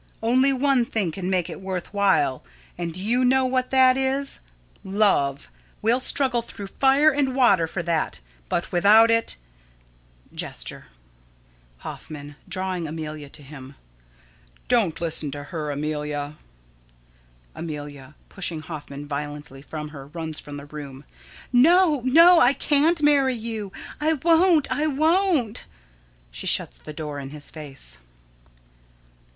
Only one thing can make it worth while, and do you know what that is? Love. We'll struggle through fire and water for that; but without it [Gesture.] Hoffman: [Drawing Amelia to him.] Don't listen to her, Amelia. Amelia: [Pushing Hoffman violently from her, runs from the room.] No, no, I can't marry you! I won't! I won't! [_She shuts the door in his face.